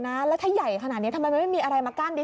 แล้วถ้าใหญ่ขนาดนี้ทำไมมันไม่มีอะไรมากั้นดิ